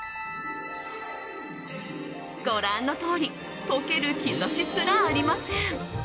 ご覧のとおり溶ける兆しすらありません。